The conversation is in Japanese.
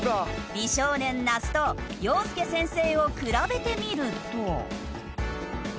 美少年那須とＹＯＳＵＫＥ先生を比べてみると。